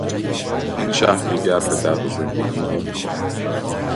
این شهر دیگر به درد زندگی نمیخورد.